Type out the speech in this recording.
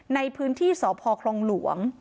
ในพื้นที่สพคลองหลวง